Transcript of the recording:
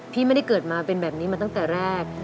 พี่ไม่ได้เกิดมาเป็นแบบนี้มาตั้งแต่แรก